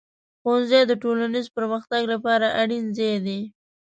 ښوونځی د ټولنیز پرمختګ لپاره اړین ځای دی.